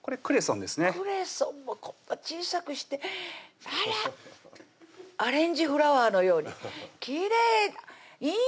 クレソンもこんな小さくしてあらっアレンジフラワーのようにきれい！